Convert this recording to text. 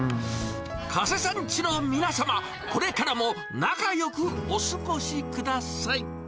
加瀬さんちの皆様、これからも仲よくお過ごしください。